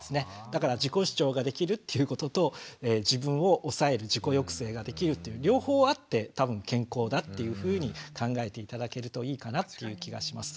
だから自己主張ができるっていうことと自分を抑える自己抑制ができるという両方あって多分健康だっていうふうに考えて頂けるといいかなっていう気がします。